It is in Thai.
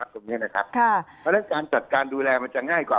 เพราะฉะนั้นการจัดการดูแลมันจะง่ายกว่า